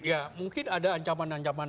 ya mungkin ada ancaman ancaman